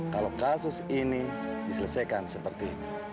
kalau kasus ini diselesaikan seperti ini